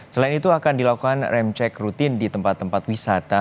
selain itu akan dilakukan rem cek rutin di tempat tempat wisata